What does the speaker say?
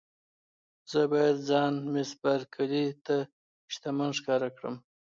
زه باید ځان مېس بارکلي ته شتمن ښکاره کړم.